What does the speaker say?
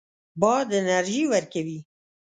باد انرژي ورکوي.